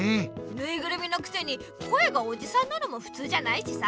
ぬいぐるみのくせに声がおじさんなのもふつうじゃないしさ。